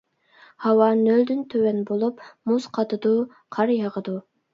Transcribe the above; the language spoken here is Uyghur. ھاۋا نۆلدىن تۆۋەن بولۇپ مۇز قاتىدۇ، قار ياغىدۇ.